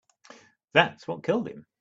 That's what killed him.